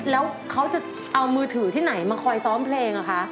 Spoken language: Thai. แล้วเขาจะเอามือถือที่ไหนมาคอยซ้อมเพลงอะคะ